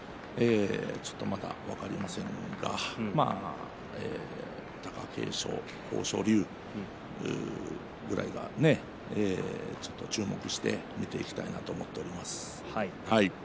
ちょっとまだ分かりませんが貴景勝、豊昇龍ぐらいが注目して見ていきたいなと思っています。